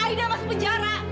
aida masuk penjara